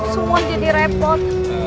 semua jadi repot